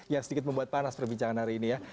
yang sedikit membuat panas perbincangan hari ini ya